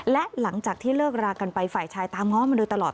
และหลังจากที่เลิกรากันไปฝ่ายชายตามง้อมาโดยตลอด